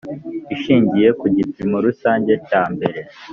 ishingiye ku gipimo rusange cya mbere